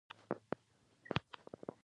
په مېوو کې طبیعي خوږوالی وي.